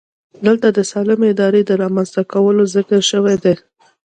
دلته د سالمې ادارې د رامنځته کولو ذکر شوی دی.